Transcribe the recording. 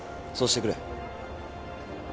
そうしてくれ。